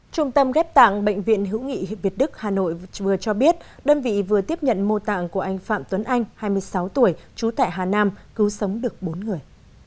trung tâm ghép tạng bệnh viện hữu nghị việt đức hà nội vừa cho biết đơn vị vừa tiếp nhận mô tạng của anh phạm tuấn anh hai mươi sáu tuổi trú tại hà nam cứu sống được bốn người